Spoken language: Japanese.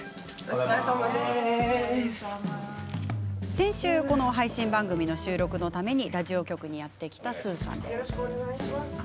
先週、配信番組の収録のためラジオ局にやって来たスーさん。